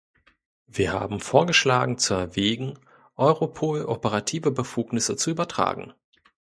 Wir haben vorgeschlagen zu erwägen, Europol operative Befugnisse zu übertragen.